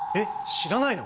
知らないの？